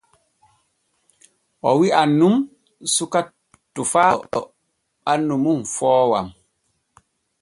O wi’an nun suka tofaaɗo ɓannu mum foowan.